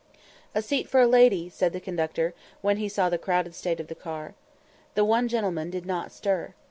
"A seat for a lady," said the conductor, when he saw the crowded state of the car. The one gentleman did not stir.